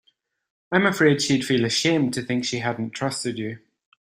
I'm afraid she'd feel ashamed to think she hadn't trusted you.